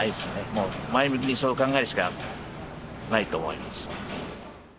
もう前向きにそう考えるしかないと思います。